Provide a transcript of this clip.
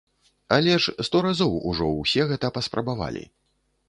Але ж сто разоў ужо ўсе гэта паспрабавалі.